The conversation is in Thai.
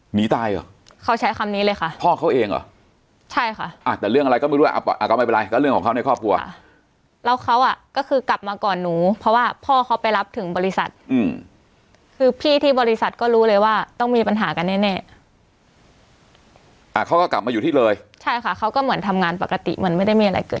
หนีตายเหรอเขาใช้คำนี้เลยค่ะพ่อเขาเองเหรอใช่ค่ะอ่ะแต่เรื่องอะไรก็ไม่รู้อ่ะอ่าก็ไม่เป็นไรก็เรื่องของเขาในครอบครัวค่ะแล้วเขาอ่ะก็คือกลับมาก่อนหนูเพราะว่าพ่อเขาไปรับถึงบริษัทอืมคือพี่ที่บริษัทก็รู้เลยว่าต้องมีปัญหากันแน่แน่อ่าเขาก็กลับมาอยู่ที่เลยใช่ค่ะเขาก็เหมือนทำงานปกติเหมือนไม่ได้มีอะไรเกิด